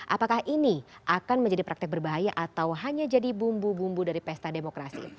apakah ini akan menjadi praktek berbahaya atau hanya jadi bumbu bumbu dari pesta demokrasi